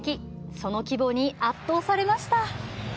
その規模に圧倒されました。